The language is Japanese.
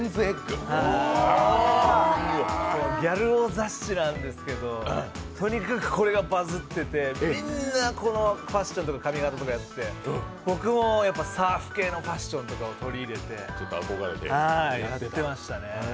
ギャル男雑誌なんですけど、とにかくこれがバズっててみんな、このファッションとか髪型とかやって僕もサーフ系のファッションとかを取り入れてやってましたね。